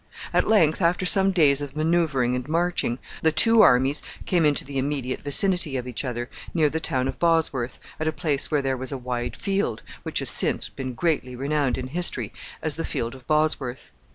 At length, after some days of man[oe]uvring and marching, the two armies came into the immediate vicinity of each other near the town of Bosworth, at a place where there was a wide field, which has since been greatly renowned in history as the Field of Bosworth.